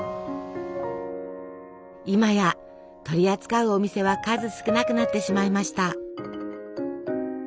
今や取り扱うお店は数少なくなってしまいました。